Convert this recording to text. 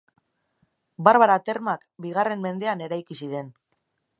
Barbara termak bigarren mendean eraiki ziren.